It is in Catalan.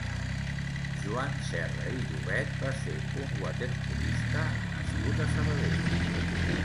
Joan Serra i Llobet va ser un waterpolista nascut a Sabadell.